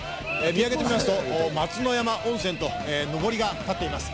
見上げてみますと、松之山温泉とのぼりが立っています。